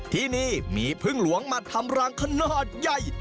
ที่นี่มีพึ่งหลวงมาทำรังขนาดใหญ่